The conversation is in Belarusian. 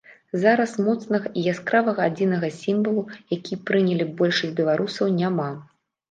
Зараз моцнага і яскравага адзінага сімвалу, які прыняла б большасць беларусаў, няма.